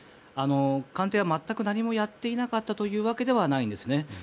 官邸は、全く何もやっていなかったというわけではないんですね。